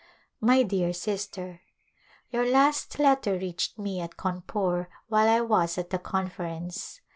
My dear Sister : Your last letter reached me at Cawnpore while I was at the Conference.